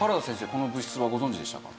この物質はご存じでしたか？